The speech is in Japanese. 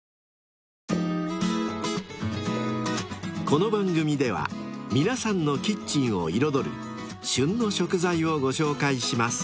［この番組では皆さんのキッチンを彩る「旬の食材」をご紹介します］